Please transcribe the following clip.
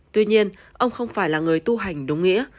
tuy nhiên ông không phải là người tu hành đúng nghĩa